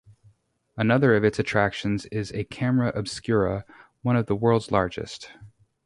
Another of its attractions is a camera obscura, one of the world's largest.